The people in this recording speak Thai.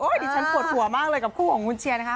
ดิฉันปวดหัวมากเลยกับคู่ของคุณเชียร์นะคะ